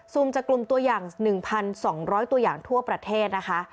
จากกลุ่มตัวอย่าง๑๒๐๐ตัวอย่างทั่วประเทศนะคะ